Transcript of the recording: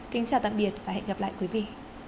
kính chào tạm biệt và hẹn gặp lại quý vị